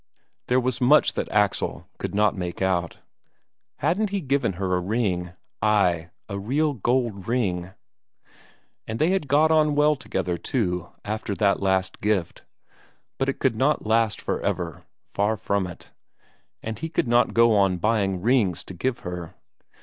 There was much that Axel could not make out. Hadn't he given her a ring ay, a real gold ring? And they had got on well together, too, after that last gift; but it could not last for ever, far from it; and he could not go on buying rings to give her.